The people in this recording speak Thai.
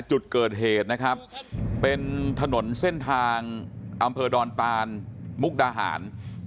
จุดเกิดเหตุนะครับเป็นถนนเส้นทางอำเภอดอนตานมุกดาหาร